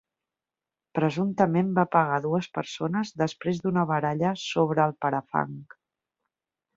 Presumptament va pegar dues persones després d'una baralla sobre el parafang.